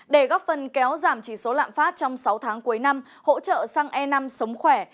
để góp phần kéo giảm chỉ số lạm phát trong sáu tháng cuối năm hỗ trợ xăng e năm sống khỏe